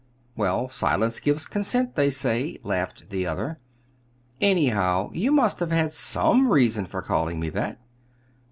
"Well, silence gives consent, they say," laughed the other. "Anyhow, you must have had some reason for calling me that."